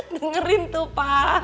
dengerin tuh pa